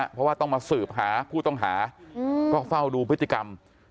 เพราะว่าต้องมาสืบหาผู้ต้องหาก็เฝ้าดูพฤติกรรม